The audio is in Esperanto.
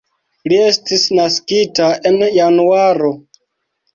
Li estis naskita en Januaro.